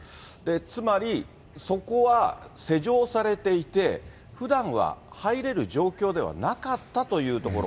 つまりそこは施錠されていて、ふだんは入れる状況ではなかったというところ。